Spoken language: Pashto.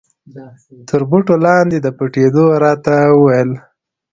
تر بوټو لاندې د پټېدو را ته و ویل.